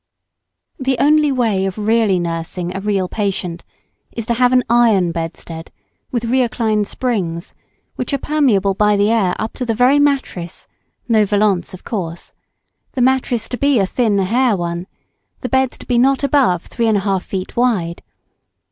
] The only way of really nursing a real patient is to have an iron bedstead, with rheocline springs, which are permeable by the air up to the very mattress (no vallance, of course), the mattress to be a thin hair one; the bed to be not above 3 1/2 feet wide.